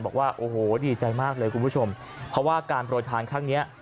บอกว่าโอ้โหดีใจมากเลยคุณผู้ชมเพราะว่าการโปรยทานครั้งนี้